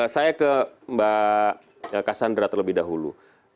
saya ke mbak cassandra terlebih dahulu